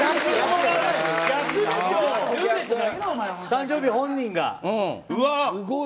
誕生日本人が。